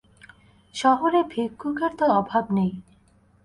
শহরে ভিক্ষুকের তো অভাব নেই।